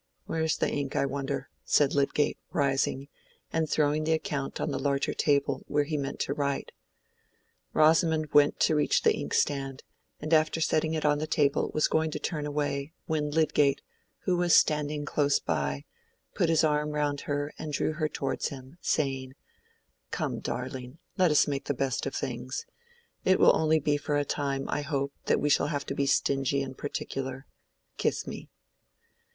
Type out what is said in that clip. Where is the ink, I wonder?" said Lydgate, rising, and throwing the account on the larger table where he meant to write. Rosamond went to reach the inkstand, and after setting it on the table was going to turn away, when Lydgate, who was standing close by, put his arm round her and drew her towards him, saying— "Come, darling, let us make the best of things. It will only be for a time, I hope, that we shall have to be stingy and particular. Kiss me."